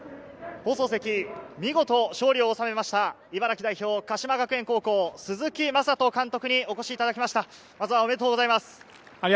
見事勝利を収めました茨城代表、鹿島学園高校・鈴木雅人監督にお越しいただきました、おめでとうございます。